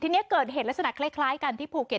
ทีนี้เกิดเหตุลักษณะคล้ายกันที่ภูเก็ต